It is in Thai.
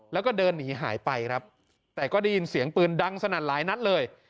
แล้วก็เดินหนีหายไปครับแต่ก็ได้ยินเสียงปืนดังสนั่นหลายนัดเลย